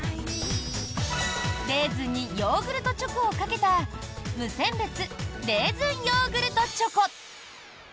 レーズンにヨーグルトチョコをかけた無選別レーズンヨーグルトチョコ。